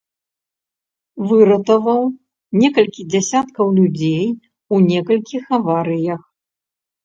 Выратаваў некалькі дзясяткаў людзей у некалькіх аварыях.